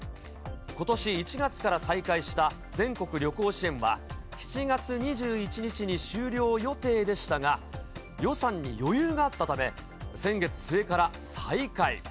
ことし１月から再開した全国旅行支援は、７月２１日に終了予定でしたが、予算に余裕があったため、先月末から再開。